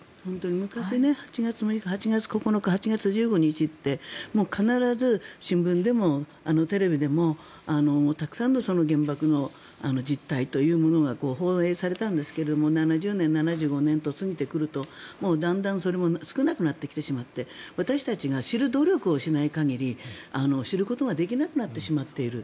昔８月６日、９日、１５日って必ず、新聞でもテレビでもたくさんの原爆の実態が報道されたんですけど７０年、７５年と過ぎてくるとだんだん、それも少なくなってきてしまって私たちが知る努力をしない限り知ることができなくなってしまっている。